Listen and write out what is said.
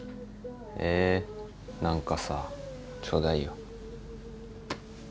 え何かさちょうだいよ。